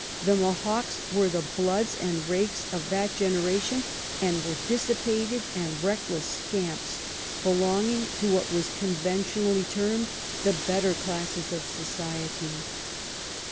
The Mohocks were the " bloods " and " rakes " of that generation, and were dissipated and reckless scamps, belonging to what are conventionally termed the better classes of society.